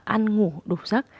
ăn ngủ đủ rất